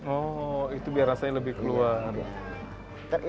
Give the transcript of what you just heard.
oh itu biar rasanya lebih keluar